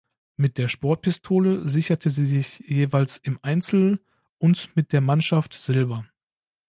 Mit der Sportpistole sicherte sie sich jeweils im Einzel und mit der Mannschaft Silber.